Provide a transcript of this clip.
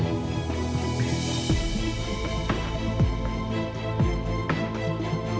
อาจารย์เชื่อเสียงหัวใจ